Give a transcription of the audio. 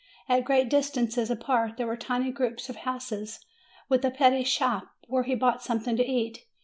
At great distances apart there were tiny groups of houses with a petty shop, where he bought something to eat.